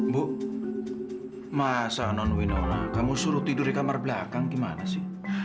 bu masa non winola kamu suruh tidur di kamar belakang gimana sih